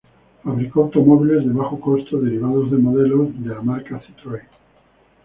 Fabricó automóviles de bajo costo derivados de modelos de la marca Citroën.